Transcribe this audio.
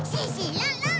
ランラン！